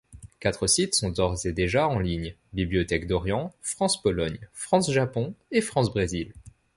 Quatre sites sont d'ores et déjà en ligne: Bibliothèques d’Orient, France-Pologne, France-Japon et France-Brésil.